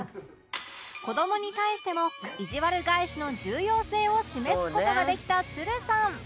子どもに対してもいじわる返しの重要性を示す事ができたつるさん